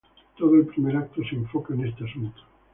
Todo el primer acto se enfoca en este asunto.